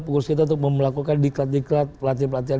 fokus kita untuk melakukan diklat diklat pelatihan pelatihan